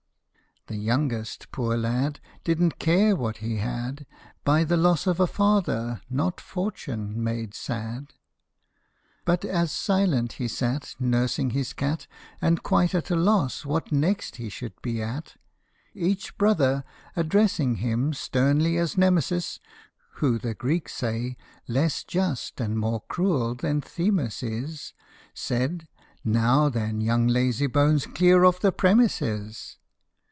The youngest, poor lad ! didn't care what he had, By the loss of a father, not fortune, made sad. But as silent he sat, nursing his cat, And quite at a loss what he next should be at, 42 PUSS IN BOOTS. Each brother, addressing him sternly as Nemesis, (Who, the Greeks say, less just and more cruel than Themis is,) Said, " Now then, young Lazybones ! Clear off the premises